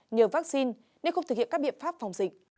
nhờ vaccine nếu không thực hiện các biện pháp phòng dịch